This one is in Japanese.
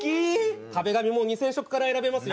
壁紙も２０００色から選べますよ